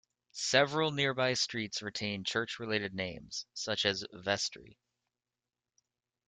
Several nearby streets retain church-related names, such as Vestry.